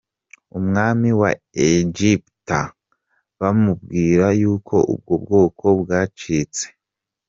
Umwami wa Egiputa bamubwira y’uko ubwo bwoko bwacitse.